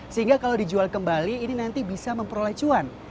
sehingga kalau dijual kembali ini nanti bisa memperlecuan